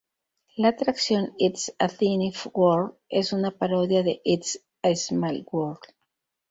La atracción "It's a Tiny World" es una parodia de "It's a Small World".